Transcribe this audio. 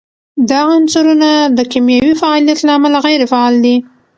دا عنصرونه د کیمیاوي فعالیت له امله غیر فعال دي.